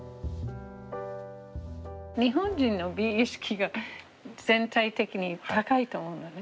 日本人の美意識が全体的に高いと思うのね。